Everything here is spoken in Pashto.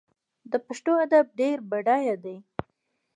د پښتو ادب ډېر بډایه دی.